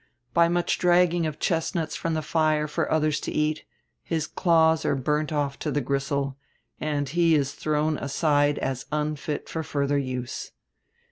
By much dragging of chestnuts from the fire for others to eat, his claws are burnt off to the gristle, and he is thrown aside as unfit for further use.